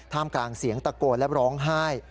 กลางเสียงตะโกนและร้องไห้